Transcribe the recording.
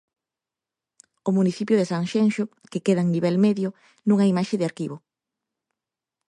O municipio de Sanxenxo, que queda en nivel medio, nunha imaxe de arquivo.